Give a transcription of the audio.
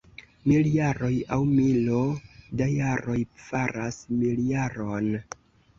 Mil jaroj, aŭ milo da jaroj, faras miljaron.